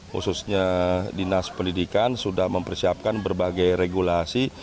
khususnya dinas pendidikan sudah mempersiapkan berbagai regulasi